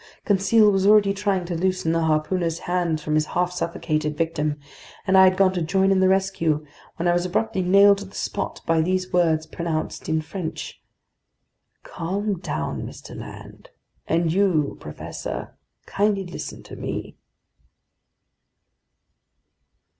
Conseil was already trying to loosen the harpooner's hands from his half suffocated victim, and I had gone to join in the rescue, when I was abruptly nailed to the spot by these words pronounced in French: "Calm down, Mr. Land! And you, professor, kindly listen to me!"